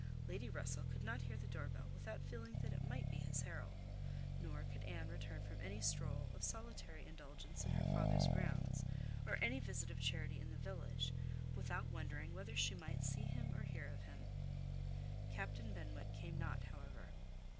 Lady Russell could not hear the door bell without feeling that it might be his herald; nor could Anne return from any stroll of solitary indulgence in her father's grounds, or any visit of charity in the village, without wondering whether she might see him or hear of him. Captain Benwick came not, however.